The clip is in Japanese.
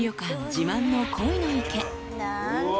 自慢のコイの池］